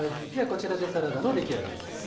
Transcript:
こちらでサラダの出来上がりです。